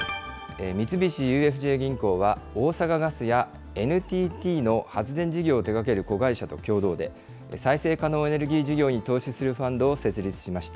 三菱ＵＦＪ銀行は、大阪ガスやＮＴＴの発電事業を手がける子会社と共同で、再生可能エネルギー事業に投資するファンドを設立しました。